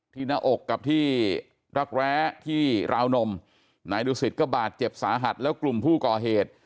หน้าอกกับที่รักแร้ที่ราวนมนายดูสิตก็บาดเจ็บสาหัสแล้วกลุ่มผู้ก่อเหตุ